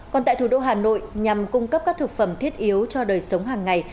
còn tại thủ đô hà nội nhằm cung cấp các thực phẩm thiết yếu cho đời sống hàng ngày